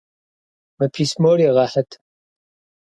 Мы письмор егъэхьыт!